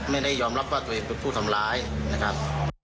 ไม่ได้ยอมรับว่าตัวเองเป็นผู้ทำร้ายนะครับ